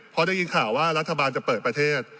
พอได้ยินข่าวว่ารัฐบาลจะเปิดประเทศ